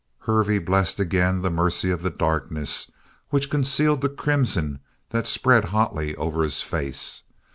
Hervey blessed again the mercy of the darkness which concealed the crimson that spread hotly over his face.